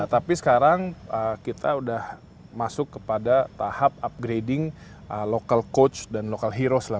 tapi sekarang kita udah masuk kepada tahap upgrading local coach dan local hero